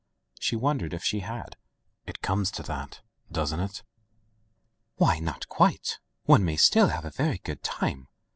'' She wondered if she had. " It comes to that, doesn't it ?" "Why — ^not quite. One may still have a very good time.